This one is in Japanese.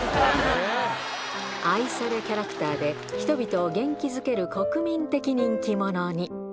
愛されキャラクターで、人々を元気づける国民的人気者に。